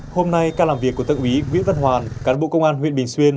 hôm nay ca làm việc của thượng úy nguyễn văn hoàn cán bộ công an huyện bình xuyên